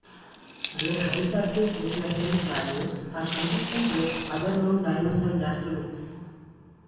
Their high surface reflectance values are consistent with other known dinosaur gastroliths.